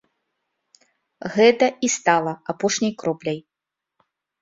Гэта і стала апошняй кропляй.